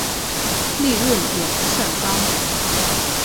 利润也不算高